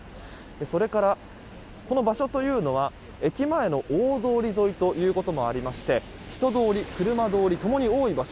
それから、この場所というのは駅前の大通り沿いということもありまして人通り、車通り共に多い場所。